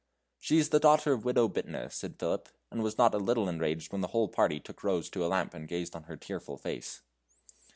"She is the daughter of Widow Bittner," said Philip; and was not a little enraged when the whole party took Rose to a lamp and gazed on her tearful face.